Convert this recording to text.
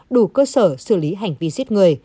đủ cơ sở xử lý hành vi giết người